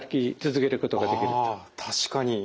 あ確かに。